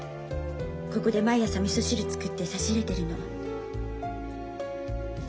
ここで毎朝みそ汁作って差し入れてるの。